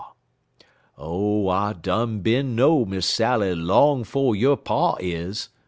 Oh, I done bin know Miss Sally long fo' yo' pa is!"